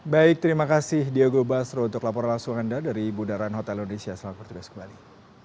baik terima kasih diago basro untuk laporan langsung anda dari budaran hotel indonesia selangkutugas kembali